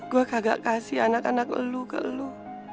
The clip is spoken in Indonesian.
gue kagak kasih anak anak lu ke lu